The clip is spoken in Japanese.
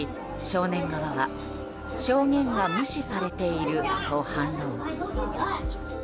少年側は証言が無視されていると反論。